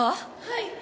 はい！